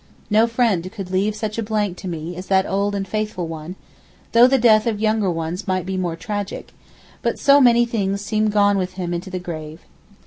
No friend could leave such a blank to me as that old and faithful one, though the death of younger ones might be more tragic; but so many things seem gone with him into the grave.